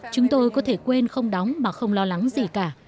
chúng tôi có thể quên không đóng mà không lo lắng gì cả